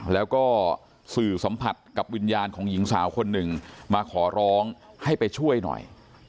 แล้วก็สื่อสัมผัสกับวิญญาณของหญิงสาวคนหนึ่งมาขอร้องให้ไปช่วยหน่อย